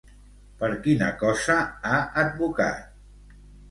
Per quina cosa ha advocat?